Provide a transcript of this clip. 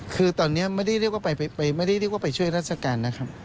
คือตอนนี้ไม่ได้เรียกว่าไปช่วยราชการนะครับ